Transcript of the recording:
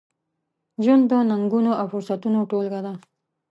ژوند د ننګونو، او فرصتونو ټولګه ده.